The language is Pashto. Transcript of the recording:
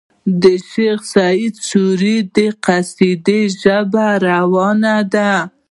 د شېخ اسعد سوري د قصيدې ژبه روانه ده.